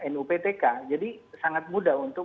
nuptk jadi sangat mudah untuk